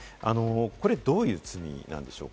これ、どういう罪なんでしょうか？